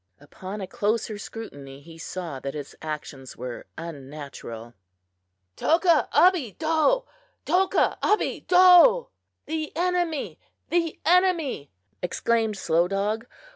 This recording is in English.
Upon a closer scrutiny, he saw that its actions were unnatural. "Toka abe do! toka abe do!" (the enemy! the enemy!) exclaimed Slow Dog.